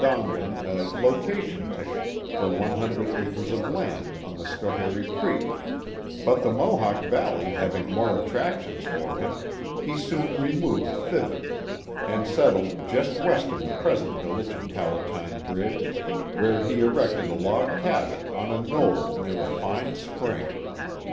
Dongan a location ticket " for 100 acres of land on the Schoharie creek, but the Mohawk Val ley having more attractions for him, he soon removed thither, and settled just west of the present village of Palatine Bridge, where he erected a log cabin on a knoll near a fine spring.